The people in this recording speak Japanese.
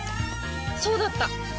そうだった！